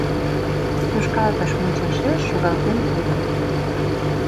Тошкалтыш мучашеш шогалтен кодо.